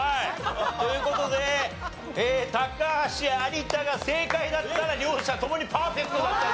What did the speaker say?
という事で高橋有田が正解だったら両者ともにパーフェクトだった。